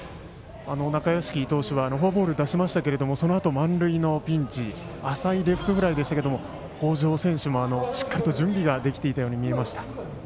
中屋敷投手はフォアボール出しましたがそのあと満塁のピンチ浅いレフトフライでしたけど北條選手もしっかりと準備ができていたように見えました。